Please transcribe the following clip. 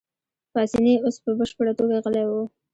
پاسیني اوس په بشپړه توګه غلی وو.